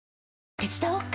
手伝おっか？